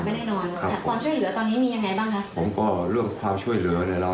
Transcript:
ค่ะความช่วยเหลือตอนนี้มียังไงบ้างฮะผมก็เลือกความช่วยเหลือในเรา